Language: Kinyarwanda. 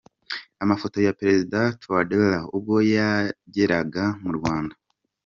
Amafoto ya Perezida Touadera ubwo yageraga mu Rwanda.